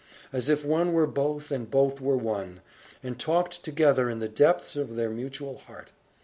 as if one were both and both were one, and talked together in the depths of their mutual heart.